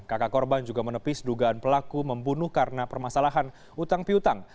kakak korban juga menepis dugaan pelaku membunuh karena permasalahan hutang piutang